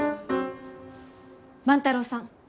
万太郎さん